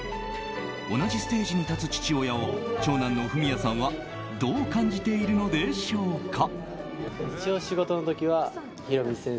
同じステージに立つ父親を長男の文哉さんはどう感じているのでしょうか。